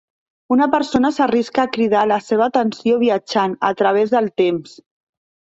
Una persona s'arrisca a cridar la seva atenció viatjant a través del temps.